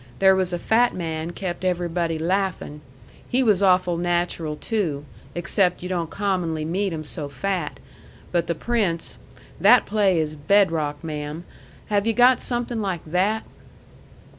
There was a fat man kept everybody laughing. He was awful natural too; except yu' don't commonly meet 'em so fat. But the prince that play is bed rock, ma'am! Have you got something like that?"